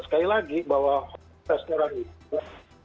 sekali lagi bahwa restoran itu